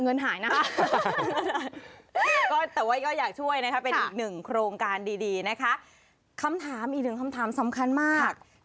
อีกหนึ่งคำถามสำคัญมาก